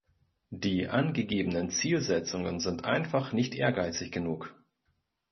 Die angegebenen Zielsetzungen sind einfach nicht ehrgeizig genug.